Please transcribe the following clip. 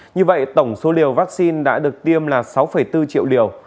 như vậy tổng số liều vaccine đã được tiêm là sáu bốn triệu liều